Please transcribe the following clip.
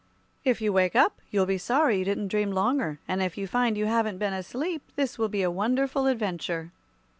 "If you wake up, you'll be sorry you didn't dream longer; and if you find you haven't been asleep, this will be a wonderful adventure."